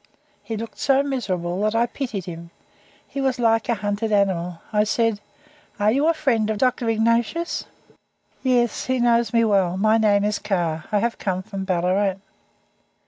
He looked so miserable that I pitied him. He was like a hunted animal. I said: "Are you a friend of Dr. Ignatius?" "Yes, he knows me well. My name is Carr; I have come from Ballarat."